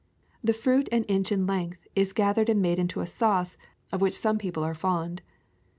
The fruit, an inch in length, is gathered, and made into a sauce, of which some people are fond.